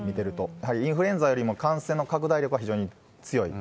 やはりインフルエンザよりも感染の拡大力は非常に強い。